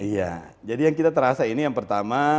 iya jadi yang kita terasa ini yang pertama